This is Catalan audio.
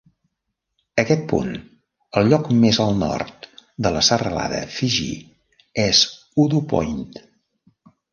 Aquest punt, el lloc més al nord de la serralada Fiji, és Udu Point.